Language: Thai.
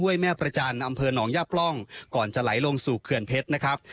แม่ประจันทร์อำเภอหนองย่าปล่องก่อนจะไหลลงสู่เขื่อนเพชรนะครับ